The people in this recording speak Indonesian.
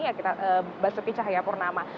ya kita bahasa kicah ya purnama